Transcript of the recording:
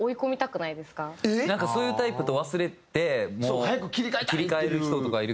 なんかそういうタイプと忘れてもう切り替える人とかいるけど